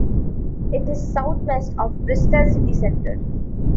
It is southwest of Bristol city centre.